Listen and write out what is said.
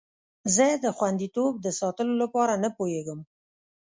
زه د خوندیتوب د ساتلو لپاره نه پوهیږم.